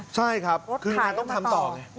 ใช่ครับคืองานต้องทำต่อไง